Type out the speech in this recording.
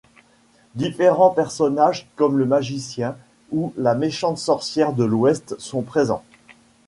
Différents personnages comme le magicien ou la méchante sorcière de l'Ouest sont présents.